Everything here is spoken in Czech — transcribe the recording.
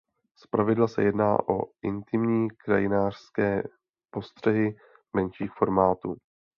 Zpravidla se jedná o intimní krajinářské postřehy menších formátů.